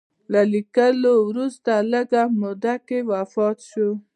له لیکلو وروسته لږ موده کې وفات شو.